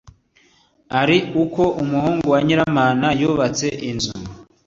ari uko umuhungu wa nyiramana yubatsemo inzu